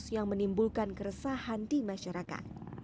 yang menimbulkan keresahan di masyarakat